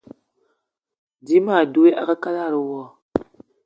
Dím ma dwé a kalada wo